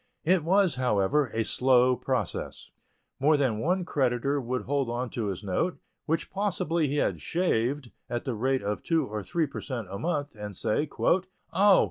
It was, however, a slow process. More than one creditor would hold on to his note, which possibly he had "shaved" at the rate of two or three per cent a month, and say: "Oh!